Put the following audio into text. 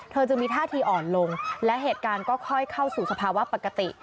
เธอจึงมีท่าทีอ่อนลงและเหตุการณ์ก็ค่อยเข้าสู่สภาวะปกติ